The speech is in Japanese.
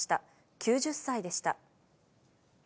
９０歳でした。